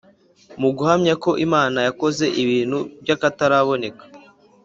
mu guhamya ko imana yakoze ibintu by’akataraboneka